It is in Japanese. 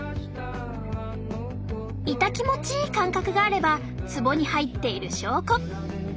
イタ気持ちいい感覚があればツボに入っている証拠。